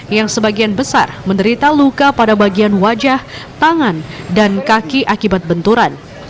yang sebagian besar menderita luka pada bagian wajah tangan dan kaki akibat benturan